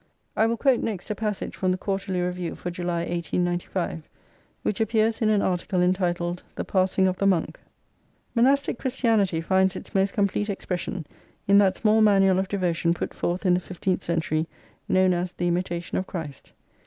I will quote next a passage from the Quarterly Review for July 1895, which appears in an article entitled " The Passing of the Monk ":— "Monastic Christianity finds its most complete ex pression in that small manual of devotion put forth in the fifteenth century, known as 'The Imitation of Christ.'